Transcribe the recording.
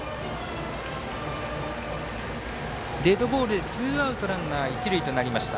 デッドボールで、ツーアウトランナー、一塁となりました。